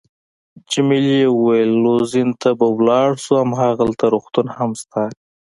جميلې وويل:: لوزین ته به ولاړ شو، هماغلته روغتون هم شته.